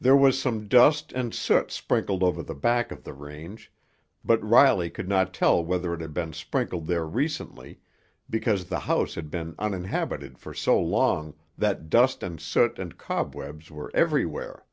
There was some dust and soot sprinkled over the back of the range, but Riley could not tell whether it had been sprinkled there recently, because the house had been uninhabited for so long that dust and soot and cobwebs were everywhere.